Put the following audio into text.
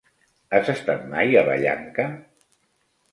Has estat mai a Vallanca?